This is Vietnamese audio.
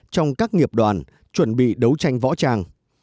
trong các nghiệp đoàn chuẩn bị đấu tranh võ tràng